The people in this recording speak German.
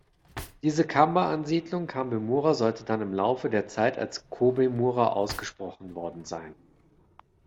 Diese Kambe-Ansiedlung Kambe-mura soll dann im Laufe der Zeit als Kōbe-mura ausgesprochen worden sein.